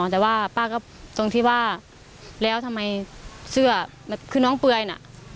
แต่ว่าป้าก็ตรงที่ว่าแล้วทำไมเสื้อคือน้องเปลือยน่ะ